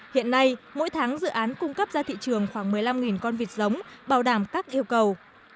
hiện nay mỗi tháng dự án cung cấp ra thị trường khoảng một mươi năm con vịt giống bảo đảm các yêu cầu